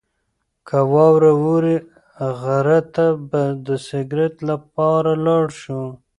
که واوره ووري، غره ته به د سکرت لپاره لاړ شو.